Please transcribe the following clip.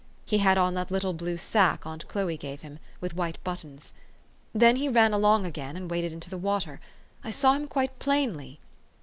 He had on that little blue sack aunt Chloe gave him, with white buttons. Then he ran along again, and waded into the water. I saw him quite plainly.